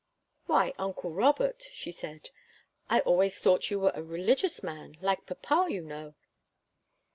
"Why, uncle Robert," she said, "I always thought you were a religious man like papa, you know."